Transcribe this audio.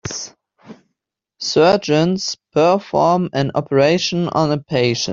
Surgeons perform an operation on a patient.